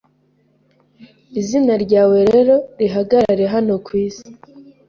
Izina ryawe rero rihagarare hano ku isi